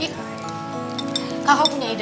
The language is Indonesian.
kakak punya ide